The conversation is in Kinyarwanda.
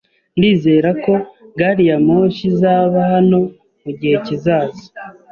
Ndizera ko gari ya moshi izaba hano mugihe kizaza